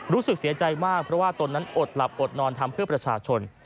รู้สึกเสียใจมากเพราะว่าตนนั้นอดหลับอดนอนทำเพื่อประชาชน